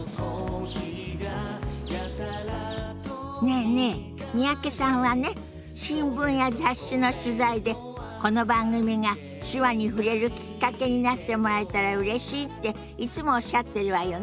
ねえねえ三宅さんはね新聞や雑誌の取材でこの番組が手話に触れるきっかけになってもらえたらうれしいっていつもおっしゃってるわよね。